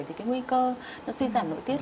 thì cái nguy cơ suy giảm nỗi tiết